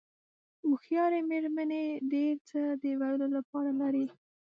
هوښیارې مېرمنې ډېر څه د ویلو لپاره لري.